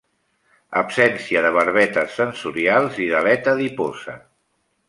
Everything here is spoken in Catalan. Absència de barbetes sensorials i d'aleta adiposa.